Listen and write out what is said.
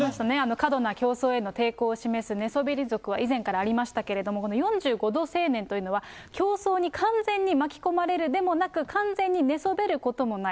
過度な競走への抵抗を示す寝そべり族は以前からありましたけれども、この４５度青年というのは、競争に完全に巻き込まれるわけでもなく、完全に寝そべることもない。